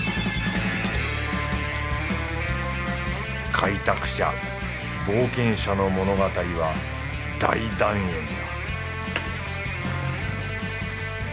開拓者冒険者の物語は大団円だ